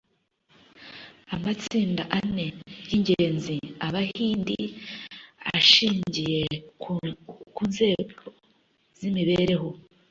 amatsinda ane y’ingenzi abahindi ashingiye ku nzego z’imibereho